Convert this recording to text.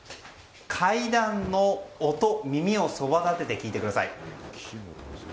階段の音、耳をそばだてて聞いてください。